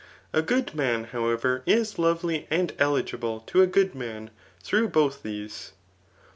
A good man, however, is lovely and eligible to a good man through both these.